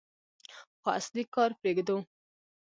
خو اصلي کار پرېږدو.